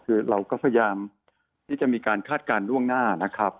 คือเราก็พยายามที่จะมีการคาดการณ์ล่วงหน้านะครับ